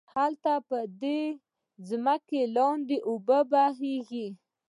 هلته به ده ځمکی لاندی اوبه بهيږي